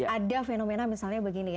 ada fenomena misalnya begini ya